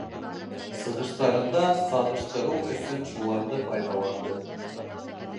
Сығыштарында сағыштырыу өсөн шуларҙы файҙаланды.